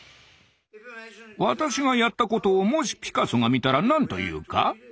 私がやったことをもしピカソが見たら何と言うか？